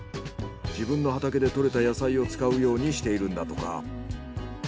自分の畑でとれた野菜を使うようにしているんだとか。